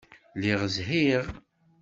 Lliɣ zhiɣ.